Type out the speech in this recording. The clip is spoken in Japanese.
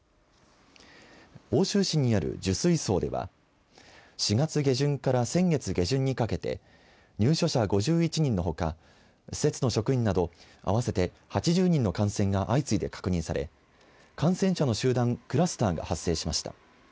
奥州市にある寿水荘では４月下旬から先月下旬にかけて入所者５１人のほか施設の職員など合わせて８０人の感染が相次いで確認され、感染者の集団クラスターが発生しました。